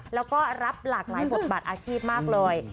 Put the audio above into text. แล้วก็รับหลากหลายบทบาทอาชีพมากเลย